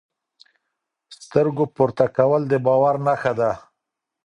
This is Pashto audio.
سترګو پورته کول د باور نښه ده.